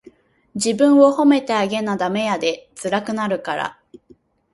自分を褒めてあげなダメやで、つらくなるから。